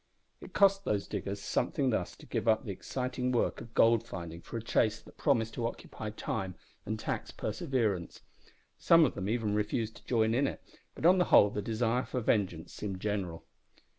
It cost those diggers something thus to give up the exciting work of gold finding for a chase that promised to occupy time and tax perseverance. Some of them even refused to join in it, but on the whole the desire for vengeance seemed general.